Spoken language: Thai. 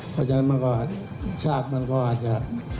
เพราะฉะนั้นมันก็ชาติมันก็อาจจะ